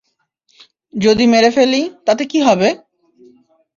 যদি মেরে ফেলি, তাতে কী হবে?